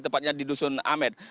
tepatnya di dusun amed